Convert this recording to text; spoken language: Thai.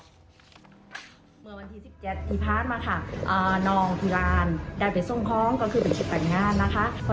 แต่วันไม่ใช้คล้องราวที่นี่ก็จนนะคะ